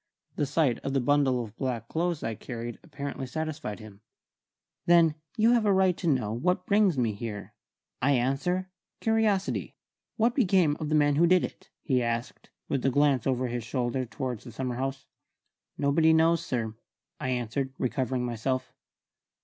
The sight of the bundle of black clothes I carried apparently satisfied him. "Then you have right to ask what brings me here. I answer, curiosity. What became of the man who did it?" he asked, with a glance over his shoulder towards the summer house. "Nobody knows, sir," I answered, recovering myself.